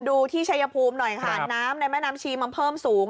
ดูที่ชัยภูมิหน่อยค่ะน้ำในแม่น้ำชีมันเพิ่มสูง